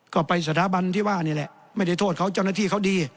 ก็ไปสถาบันที่ว่านี่แหละไม่ได้โทษเขาเจ้าหน้าที่เขาดี